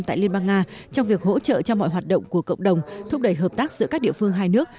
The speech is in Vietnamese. tại liên bang nga trong việc hỗ trợ cho mọi hoạt động của cộng đồng thúc đẩy hợp tác giữa các địa phương hai nước